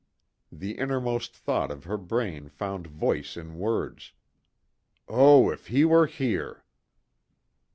The innermost thought of her brain found voice in words, "Oh, if he were here!"